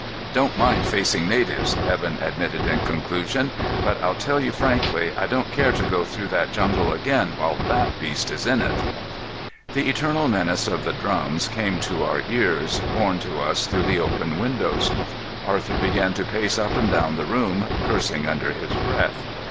"I don't mind facing natives," Evan admitted in conclusion, "but I'll tell you frankly I don't care to go through that jungle again while that beast is in it." The eternal menace of the drums came to our ears, borne to us through the open windows. Arthur began to pace up and down the room, cursing under his breath.